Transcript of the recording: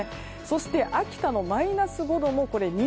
そして秋田もマイナス５度。